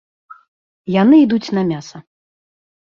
Яны ідуць на мяса.